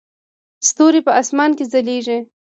ستوري په اسمان کې ځلیږي